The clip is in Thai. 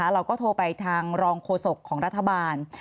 เราก็โทรไปทางรองโฆษกของรัฐบาล